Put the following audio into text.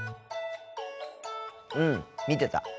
うん見てた。